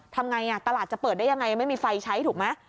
ทำไงตลาดจะเปิดได้ยังไงไม่มีไฟใช้ถูกไหม